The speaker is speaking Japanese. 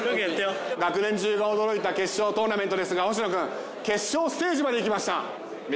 学年中が驚いた決勝トーナメントですが星野君決勝ステージまで行きました。